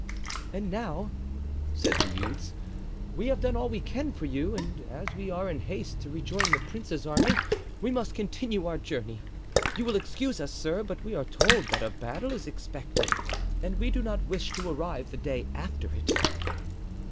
"And now," said the youths, "we have done all we can for you; and as we are in haste to rejoin the prince's army we must continue our journey. You will excuse us, sir, but we are told that a battle is expected and we do not wish to arrive the day after it."